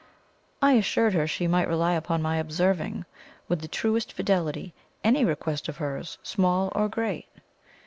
I assured her she might rely upon my observing; with the truest fidelity any request of hers, small or great.